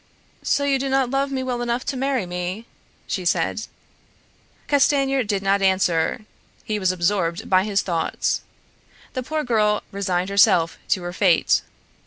"So you do not love me well enough to marry me?" she said. Castanier did not answer; he was absorbed by his thoughts. The poor girl resigned herself to her fate.